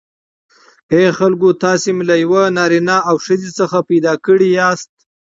ای خلکو تاسی می له یوه نارینه او ښځی څخه پیداکړی یاست